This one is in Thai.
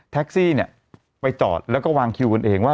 แท็กซี่เนี่ยไปจอดแล้วก็วางคิวกันเองว่า